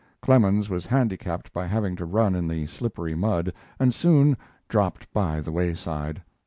Clemens was handicapped by having to run in the slippery mud, and soon "dropped by the wayside."